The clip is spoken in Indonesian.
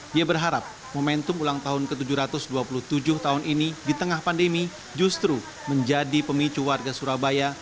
dia berharap momentum ulang tahun ke tujuh ratus dua puluh tujuh tahun ini di tengah pandemi justru menjadi pemicu warga surabaya